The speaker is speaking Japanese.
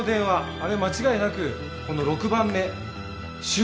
あれは間違いなくこの６番目終結宣言。